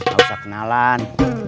gak usah kenalan